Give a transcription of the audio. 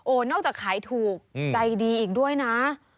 นอกจากขายถูกใจดีอีกด้วยนะ